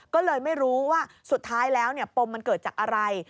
ก็เลยไม่รู้ว่าสุดท้ายแล้วปมมันเกิดจากอะไร